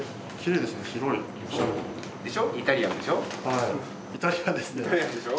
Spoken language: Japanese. イタリアンでしょ。